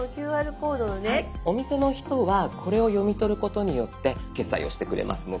お店の人はこれを読み取ることによって決済をしてくれますので。